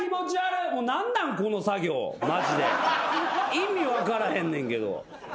意味分からへんねんけど。